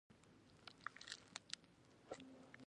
د اقینې بندر له ترکمنستان سره نښلي